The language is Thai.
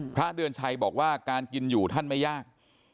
พระเดือนชัยบอกว่าการกินอยู่ท่านไม่ยาก